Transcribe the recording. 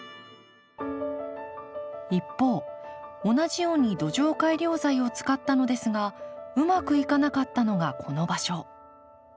一方同じように土壌改良材を使ったのですがうまくいかなかったのがこの場所。